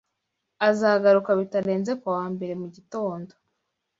Azagaruka bitarenze kuwa mbere mugitondo.